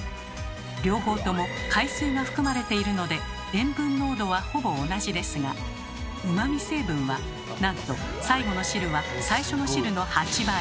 両方とも海水が含まれているので塩分濃度はほぼ同じですがうまみ成分はなんと最後の汁は最初の汁の８倍。